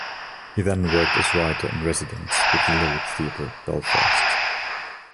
He then worked as writer in residence with the Lyric Theatre (Belfast).